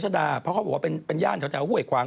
เพราะเขาบอกว่าเป็นย่านเท่าความดังขวาง